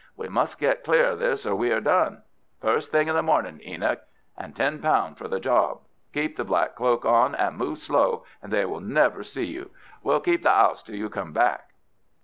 We must get clear of this or we are done. First thing in the mornin', Enoch, and ten pound for the job. Keep the black cloak on and move slow, and they will never see you. We'll keep the 'ouse till you come back."